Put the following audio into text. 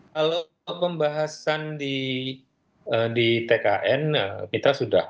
kalau pembahasan di tkn kita sudah